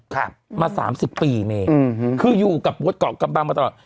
ครับอือฮือคืออยู่กับวดเกาะกำบังมาตลอด